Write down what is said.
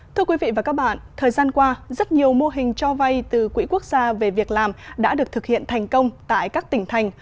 thưa quý vị và các bạn thời gian qua rất nhiều mô hình cho vay từ quỹ quốc gia về việc làm đã được thực hiện thành công tại các tỉnh thành